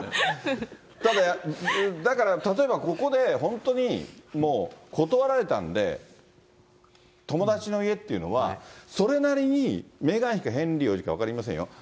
ただ、だから例えばここで本当にもう断られたんで、友達の家っていうのは、それなりにメーガン妃かヘンリー王子か分かりませんよ。